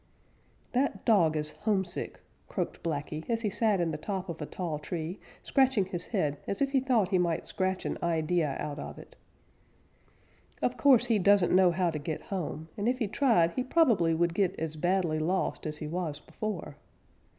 "That dog is homesick," croaked Blacky, as he sat in the top of a tall tree, scratching his head as if he thought he might scratch an idea out of it. "Of course he doesn't know how to get home, and if he tried he probably would get as badly lost as he was before.